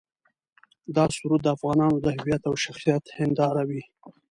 دا سرود د افغانانو د هویت او شخصیت هنداره وي.